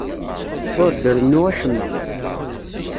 Ur d-nrennu acemma.